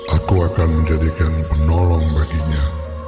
aku akan menjadikan penolong baginya